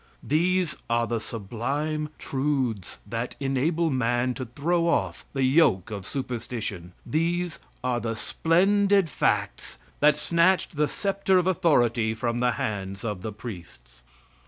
These are the sublime truths that enable man to throw off the yoke of superstition. These are the splendid facts that snatched the sceptre of authority from the hands of priests.